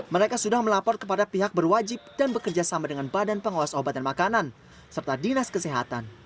mereka sudah melapor kepada pihak berwajib dan bekerja sama dengan badan pengawas obat dan makanan serta dinas kesehatan